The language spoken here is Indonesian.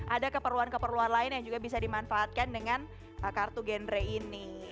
ada keperluan keperluan lain yang juga bisa dimanfaatkan dengan kartu gendre ini